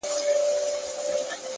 پوهه د غلط فهمۍ رڼا له منځه وړي!